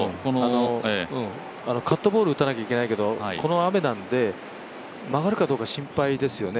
カットボール打たなきゃいけないけど、この雨なんで曲がるかどうか心配ですよね